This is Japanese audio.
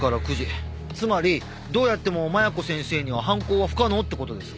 つまりどうやっても麻弥子先生には犯行は不可能って事です。